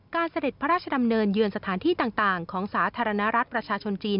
เสด็จพระราชดำเนินเยือนสถานที่ต่างของสาธารณรัฐประชาชนจีน